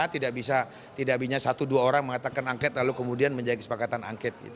tidak bisa tidak bisa satu dua orang mengatakan angket lalu kemudian menjadi kesepakatan angket